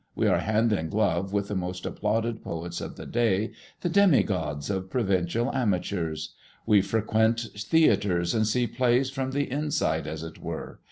We are hand in glove with the most applauded poets of the day, the demi gods of provincial amateurs. We frequent theatres and see plays from the inside, as it were.